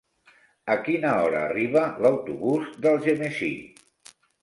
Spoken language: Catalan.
A quina hora arriba l'autobús d'Algemesí?